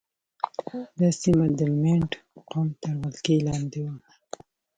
دا سیمه د مینډ قوم تر ولکې لاندې وه.